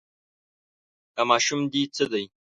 دا ماشوم دې څه دی.